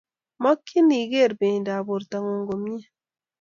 Makchin ikeree miendap borto ngung komye